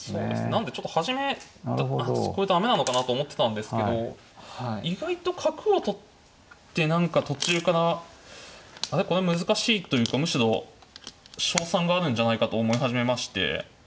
なんでちょっと初めこれ駄目なのかなと思ってたんですけど意外と角を取って何か途中からこれ難しいというかむしろ勝算があるんじゃないかと思い始めまして。